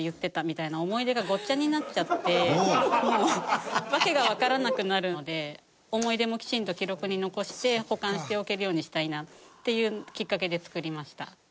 みたいな思い出がごっちゃになっちゃってもう訳がわからなくなるので思い出もきちんと記録に残して保管しておけるようにしたいなっていうきっかけで作りました。